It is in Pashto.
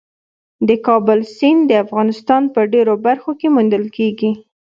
د کابل سیند د افغانستان په ډېرو برخو کې موندل کېږي.